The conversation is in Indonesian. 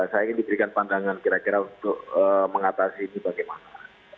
saya ingin diberikan pandangan kira kira untuk mengatasi ini bagaimana